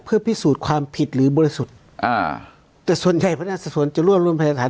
เพื่อพิสูจน์ความผิดหรือบริสุทธิ์อ่าแต่ส่วนใหญ่พนักสะสวนจะรวบรวมพยานฐาน